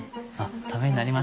ためになりました。